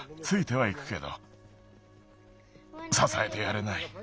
ついてはいくけどささえてやれない。